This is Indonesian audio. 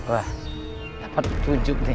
wah dapat tunjuk nih